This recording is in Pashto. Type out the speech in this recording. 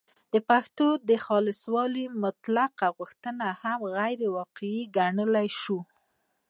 د پښتو د خالصوالي مطلقه غوښتنه هم غیرواقعي ګڼلای شو